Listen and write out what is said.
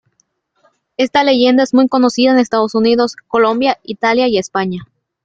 Esta leyenda es muy conocida en Estados Unidos, Colombia, Italia y España.